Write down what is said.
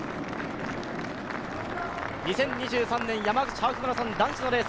２０２３年山口ハーフマラソン男子のレース。